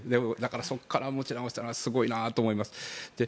そこから持ち直したのはすごいなと思います。